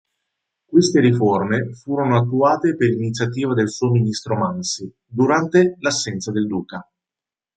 Queste riforme furono attuate per iniziativa del suo ministro Mansi durante l'assenza del duca.